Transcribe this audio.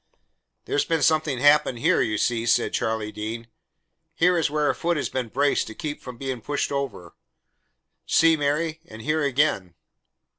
"There's been something happened here, you see," said Charlie Dean. "Here is where a foot has been braced to keep from being pushed over; see, Mary? And here again."